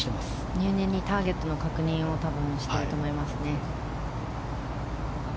入念にターゲットの確認をしていると思いますね。